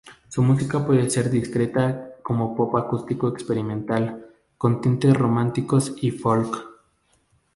Su música puede ser descrita como pop acústico experimental con tintes románticos y folk.